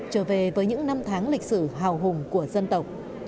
trở về với những năm tháng lịch sử hào hùng của dân tộc